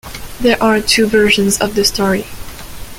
There are two versions of the story.